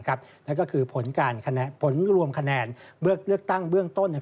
นั่นก็คือผลการผลรวมคะแนนเลือกตั้งเบื้องต้น